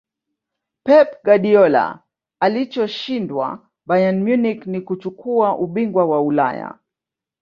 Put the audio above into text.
pep guardiola alichoshindwa bayern munich ni kuchukua ubingwa wa ulaya